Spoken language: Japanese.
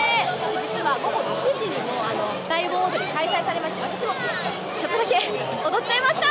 実は午後６時にも大盆踊り開催されまして、私もちょっとだけ踊っちゃいました。